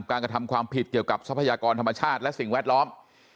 กระทำความผิดเกี่ยวกับทรัพยากรธรรมชาติและสิ่งแวดล้อม